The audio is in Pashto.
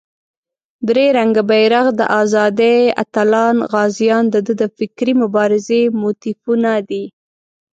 درې رنګه بېرغ، د آزادۍ اتلان، غازیان دده د فکري مبارزې موتیفونه دي.